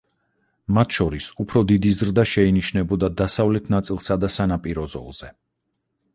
მათ შორის, უფრო დიდი ზრდა შეინიშნებოდა დასავლეთ ნაწილსა და სანაპირო ზოლზე.